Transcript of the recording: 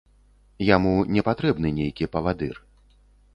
Яму не патрэбны нейкі павадыр.